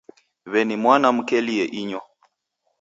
W'eni mwana mkelie inyo.